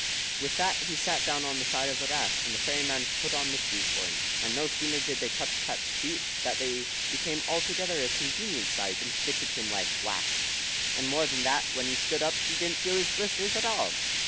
With that he sat down on the side of the Rath, and the fairy man put on the shoes for him, and no sooner did they touch Pat's feet, than they became altogether a convenient size, and fitted him like wax. And, more than that, when he stood up, he didn't feel his blisters at all.